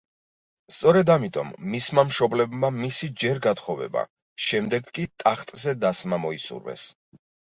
სწორედ ამიტომ მისმა მშობლებმა მისი ჯერ გათხოვება, შემდეგ კი ტახტზე დასმა მოისურვეს.